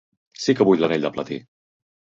Sí que vull l'anell de platí!